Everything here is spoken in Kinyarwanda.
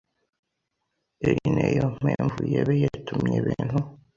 eri ne yo mpemvu yebe yetumye ebentu